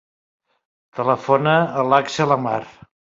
Telefona a l'Axel Amar.